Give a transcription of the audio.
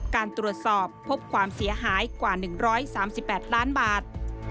การตรวจสอบพบความเสียหายกว่า๑๓๘ล้านบาท